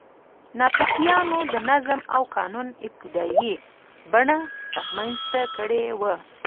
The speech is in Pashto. ناتوفیانو د نظم او قانون ابتدايي بڼه رامنځته کړې وه.